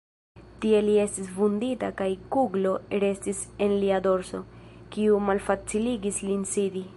Tie li estis vundita kaj kuglo restis en lia dorso, kiu malfaciligis lin sidi.